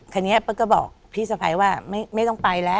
ทีนี้เปิ้ลก็บอกพี่สะพ้ายว่าไม่ต้องไปแล้ว